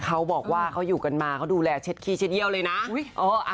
เขาบอกว่าเขาอยู่กันมาเขาดูแลเช็ดขี้เช็ดเยี่ยวเลยนะ